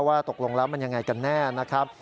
ตกลงแล้วมันยังไงกันแน่นะครับ